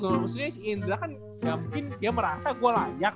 kasian maksudnya si indra kan ga mungkin dia merasa gua layak